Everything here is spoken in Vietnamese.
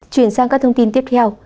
chuyển sang các thông tin tiếp theo